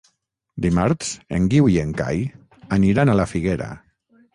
Dimarts en Guiu i en Cai aniran a la Figuera.